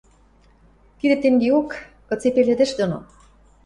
— Тидӹ тенгеок, кыце пеледӹш доно.